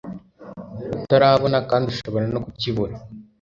utarabona kandi ushobora no kukibura